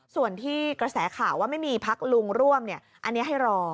ส่วนที่กระแสข่าวว่าไม่มีพักลุงร่วมอันนี้ให้รอ